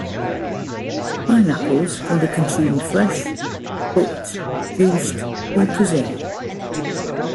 Pineapples can be consumed fresh, cooked, juiced, or preserved.